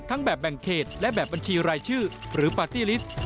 แบบแบ่งเขตและแบบบัญชีรายชื่อหรือปาร์ตี้ลิสต์